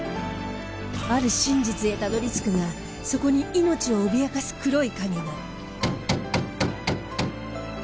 ある真実へたどり着くがそこに命を脅かす黒い影が。